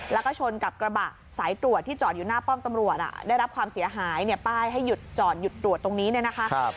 แล้วก็ชนกับกระบะสายตรวจที่จอดอยู่หน้าป้อมตำรวจได้รับความเสียหายเนี่ยป้ายให้หยุดจอดหยุดตรวจตรงนี้เนี่ยนะคะ